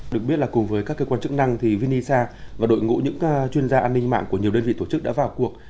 được biết là cùng với các cơ quan chức năng thì vinisha và đội ngũ những chuyên gia an ninh mạng của nhiều đơn vị tổ chức đã vào cuộc